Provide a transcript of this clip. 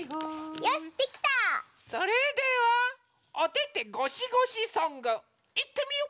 それでは「おててごしごしソング」いってみよ！